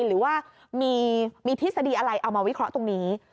หรือว่ามีทฤษฎีอะไรเอามาวิเคราะห์ตรงนี้